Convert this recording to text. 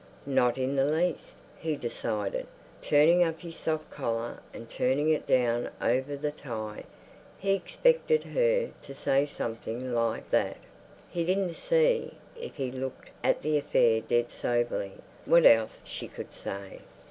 Not in the least, he decided, turning up his soft collar and turning it down over the tie. He expected her to say something like that. He didn't see, if he looked at the affair dead soberly, what else she could say.